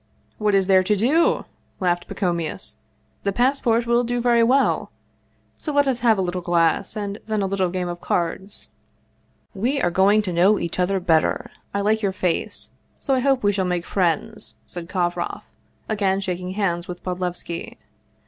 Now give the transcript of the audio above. "What is there to do?" laughed Pacomius; "the pass port will do very well. So let us have a little glass, and then a little game of cards." "We are going to know each other better; I like your face, so I hope we shall make friends," said Kovroff, again shaking hands with Bodlevski.